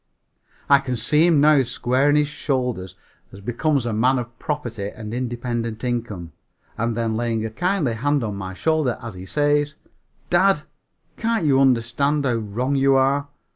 I can see him now squaring his shoulders, as becomes a man of property and independent income, and then laying a kindly hand on my shoulder as he says, "Dad, can't you understand how wrong you are?